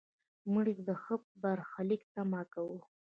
مړه ته د ښه برخلیک تمه کوو